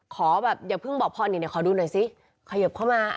ขอแบบอย่าเพิ่งบอกพ่อหน่อยขอดูหน่อยสิ